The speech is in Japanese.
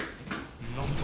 何だ？